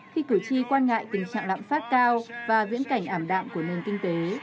khi cử tri quan ngại tình trạng lạm phát cao và viễn cảnh ảm đạm của nền kinh tế